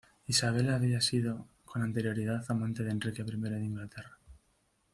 Isabel había sido con anterioridad amante de Enrique I de Inglaterra.